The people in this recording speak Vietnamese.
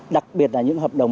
đặc biệt là những hợp đồng